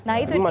nah itu dia kan